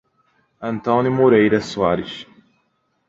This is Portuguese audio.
Antônio Moreira Soares